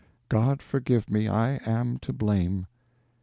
God forgive me, I am to blame."